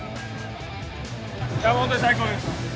本当に最高です。